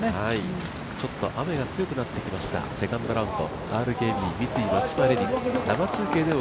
ちょっと雨が強くなってきました、セカンドラウンド。